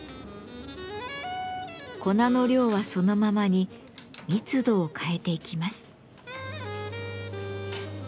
粉の量はそのままに密度を変えていきます。